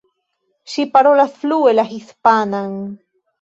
Ŝi parolas flue la hispanan.